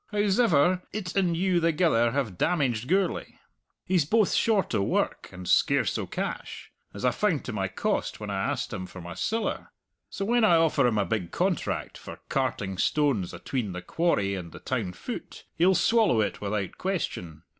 Hows'ever, it and you thegither have damaged Gourlay: he's both short o' work and scarce o' cash, as I found to my cost when I asked him for my siller! So when I offer him a big contract for carting stones atween the quarry and the town foot, he'll swallow it without question.